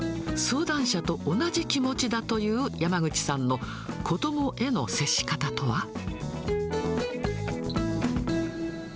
相談者と同じ気持ちだという山口さんの子どもへの接し方とは。